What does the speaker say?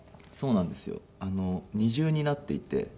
二重になっていて。